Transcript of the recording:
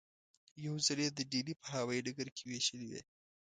یو ځل یې د ډیلي په هوايي ډګر کې وېشلې وې.